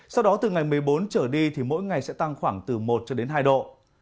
sau đó từ ngày một mươi bốn trở đi thì mỗi ngày sẽ tăng khoảng từ một cho đến hai độ